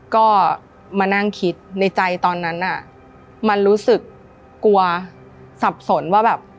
ก็มานั่งคิดในใจตอนนั้นน่ะมันรู้สึกกลัวสับสนว่าแบบ